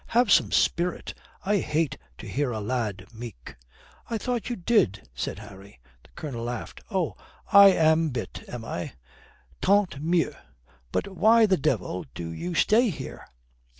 "Have some spirit. I hate to hear a lad meek." "I thought you did," said Harry. The Colonel laughed. "Oh, I am bit, am I? Tant mieux. But why the devil do you stay here?"